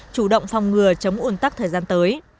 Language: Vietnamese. chủ động phòng ngừa chống un tắc thời gian tới